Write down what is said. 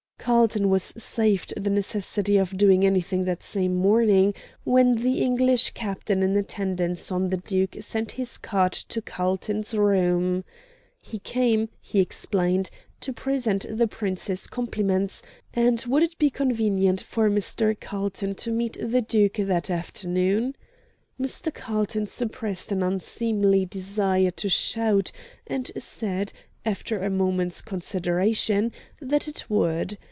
Carlton was saved the necessity of doing anything that same morning, when the English captain in attendance on the Duke sent his card to Carlton's room. He came, he explained, to present the Prince's compliments, and would it be convenient for Mr. Carlton to meet the Duke that afternoon? Mr. Carlton suppressed an unseemly desire to shout, and said, after a moment's consideration, that it would.